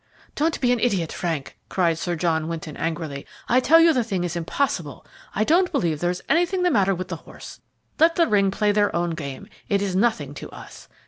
"Don't be an idiot, Frank," cried Sir John Winton angrily. "I tell you the thing is impossible. I don't believe there is anything the matter with the horse. Let the ring play their own game, it is nothing to us.